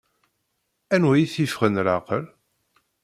Anwa i t-yeffɣen laɛqel?